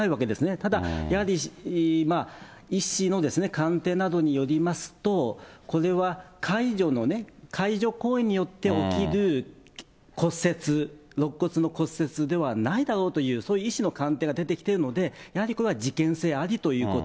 ただ、やはり医師の鑑定などによりますと、これは介助行為によって起きる骨折、ろっ骨の骨折ではないだろうという、そういう医師の鑑定が出てきているので、やはり、これは事件性ありということ。